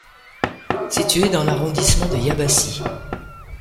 Situé dans l'arrondissement de Yabassi.